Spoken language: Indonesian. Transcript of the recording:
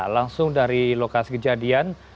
langsung dari lokasi kejadian